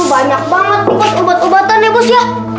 banyak banget obat obatan ya bos ya